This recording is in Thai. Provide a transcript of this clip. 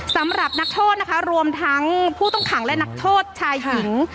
สำหรับนักโทษนะคะรวมทั้งผู้ต้องขังและนักโทษชายหญิง